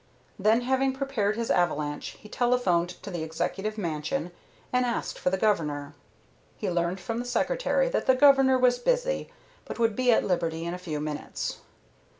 Then, having prepared his avalanche, he telephoned to the executive mansion and asked for the Governor. He learned from the Secretary that the Governor was busy, but would be at liberty in a few minutes.